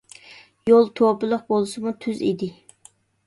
يول توپىلىق بولسىمۇ تۈز ئىدى.